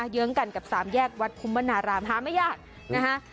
เยื้องกันกับสามแยกวัดคุ้มวนารามหาไม่ยากนะคะ